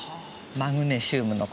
マグネシウムの事よ。